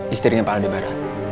isterinya pak aldebaran